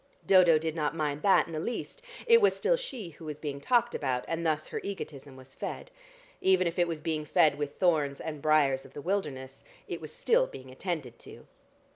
Dodo did not mind that in the least; it was still she who was being talked about, and thus her egotism was fed. Even if it was being fed with 'thorns and briars of the wilderness,' it was still being attended to.